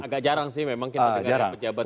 agak jarang sih memang kita dengar yang pejabat